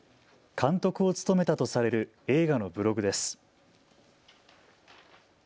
監督を務めたとされる映画のブログです。